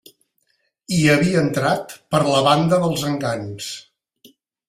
Hi havia entrat per la banda dels Encants